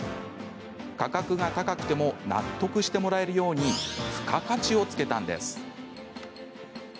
価格が高くても納得してもらえるように付加価値をつけたんです。